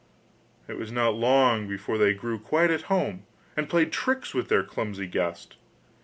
It was not long before they grew quite at home, and played tricks with their clumsy guest.